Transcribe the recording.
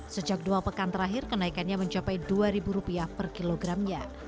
sejak dua pekan terakhir kenaikannya mencapai rp dua per kilogramnya